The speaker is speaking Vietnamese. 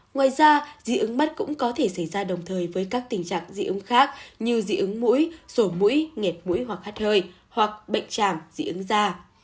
ngoài ra dị ứng mắt cũng có thể xảy ra đồng thời với các tình trạng dị ứng khác như dị ứng mũi sổ mũi nhệt mũi hoặc hát hơi hoặc bệnh chảm dị ứng da